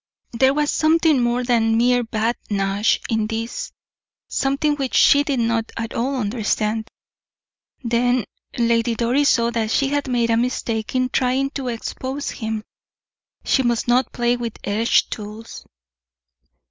There was something more than mere badinage in this something which she did not at all understand. Then Lady Doris saw that she had made a mistake in trying to expose him she must not play with edged tools.